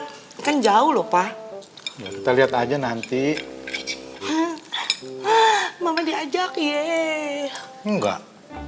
hai kan jauh lupa kita lihat aja nanti mama diajak ye enggak